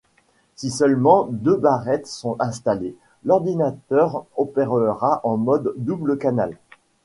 Si seulement deux barrettes sont installées, l'ordinateur opérera en mode double canal.